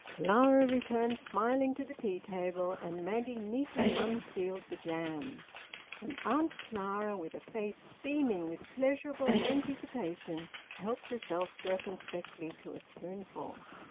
Clara returned smiling to the tea table, and Maggie neatly unsealed the jam; and Auntie Clara, with a face beaming with pleasurable anticipation, helped herself circumspectly to a spoonful.